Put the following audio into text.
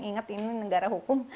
inget ini negara hukum